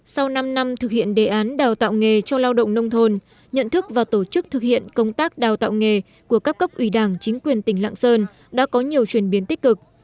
sau năm năm thực hiện đề án đào tạo nghề cho lao động nông thôn nhận thức và tổ chức thực hiện công tác đào tạo nghề của các cấp ủy đảng chính quyền tỉnh lạng sơn đã có nhiều chuyển biến tích cực